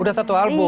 udah satu album